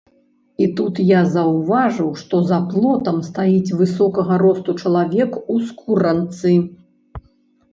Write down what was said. І тут я заўважыў, што за плотам стаіць высокага росту чалавек у скуранцы.